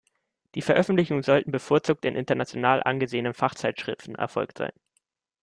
Die Veröffentlichungen sollten bevorzugt in international angesehenen Fachzeitschriften erfolgt sein.